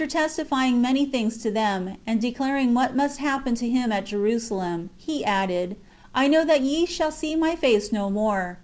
testifying many things to tliem, and declaring what must happen to him at Jerusalem, he added :" I know that ye shall see my face no more.